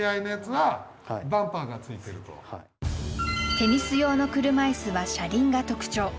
テニス用の車いすは車輪が特徴。